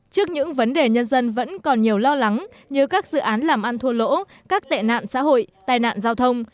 trước những vấn đề nhân dân vẫn còn nhiều lo lắng như các dự án làm ăn thua lỗ các tệ nạn xã hội tài nạn giao thông